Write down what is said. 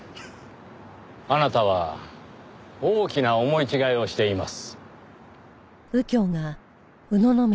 あなたは大きな思い違いをしています。